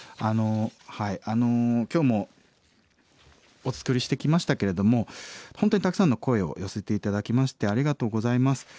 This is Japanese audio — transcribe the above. あの今日もお伝えしてきましたけれども本当にたくさんの声を寄せて頂きましてありがとうございます。